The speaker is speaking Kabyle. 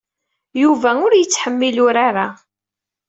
Yuba ur yettḥemmil urar-a.